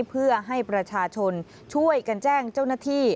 เพื่อให้ประชาชนช่วยกันแจ้งเจ้าหน้าที่